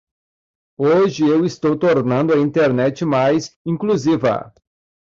Hoje eu estou tornando a Internet mais inclusiva.